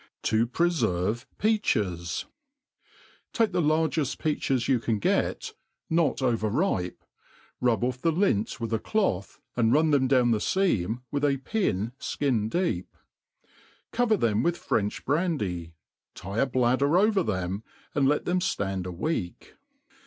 %« MADE ^LAIM AND £ASY. 319 TAKE the largeft peacAes you can get, not wtx ripe, rub off the lint with a cloth, and run them down the fetm with « pin (kin deep ; cover them with French brandj, tie a bladder o^tt them, and let them ftand a week.